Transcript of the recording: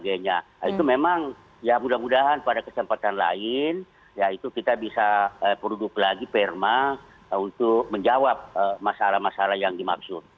itu memang ya mudah mudahan pada kesempatan lain ya itu kita bisa produk lagi perma untuk menjawab masalah masalah yang dimaksud